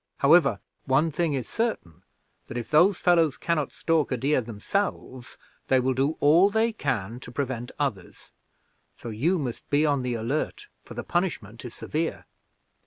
However, one thing is certain, that if those fellows can not stalk a deer themselves, they will do all they can to prevent others; so you must be on the alert, for the punishment is severe."